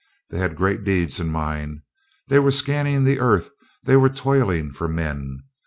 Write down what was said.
They had great deeds in mind; they were scanning the earth; they were toiling for men.